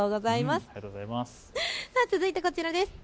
続いてこちらです。